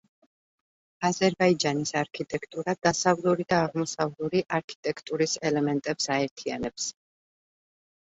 აზერბაიჯანის არქიტექტურა დასავლური და აღმოსავლური არქიტექტურის ელემენტებს აერთიანებს.